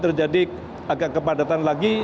terjadi agak kepadatan lagi